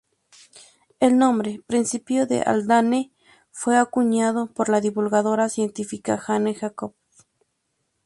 El nombre "Principio de Haldane" fue acuñado por la divulgadora científica Jane Jacobs.